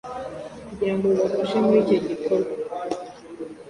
kugirango bibafashe muri icyo gikorwa.